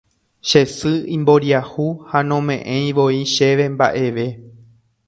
Che sy imboriahu ha nome'ẽivoi chéve mba'eve